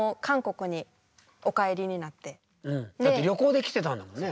だって旅行で来てたんだもんね。